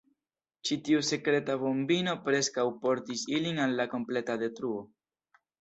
Ĉi tiu sekreta kombino preskaŭ portis ilin al la kompleta detruo.